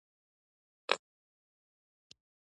هغې چوټې ښودې.